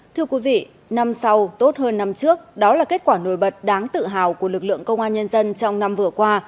thưa quý vị năm sau tốt hơn năm trước đó là kết quả nổi bật đáng tự hào của lực lượng công an nhân dân trong năm vừa qua